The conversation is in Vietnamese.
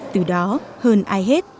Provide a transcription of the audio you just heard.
từ đó hơn ai hết